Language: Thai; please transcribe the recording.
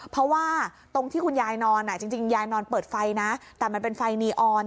เพราะว่าตรงที่คุณยายนอนจริงยายนอนเปิดไฟนะแต่มันเป็นไฟนีออน